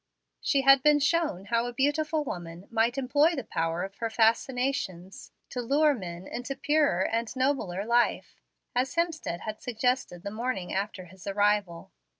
She had been shown how a beautiful woman might employ the power of her fascinations to lure men into purer and nobler life, as Hemstead had suggested the morning after his arrival.